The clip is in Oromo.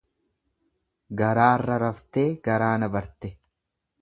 Garaarra raftee garaa na barte.